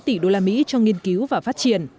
điều là mỹ cho nghiên cứu và phát triển